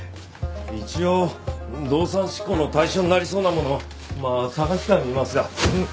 一応動産執行の対象になりそうなものをまあ探してはみますがんっ？